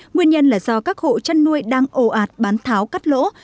nguyên nhân là do các hộ chăn nuôi đang ồ ạt bán tháo cắt lỗ